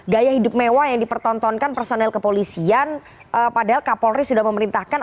gaya hidup mewah yang dipertontonkan personel kepolisian padahal kapolri sudah memerintahkan